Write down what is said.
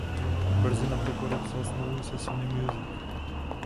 Brzy na to podepsal smlouvu se Sony Music.